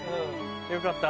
よかった。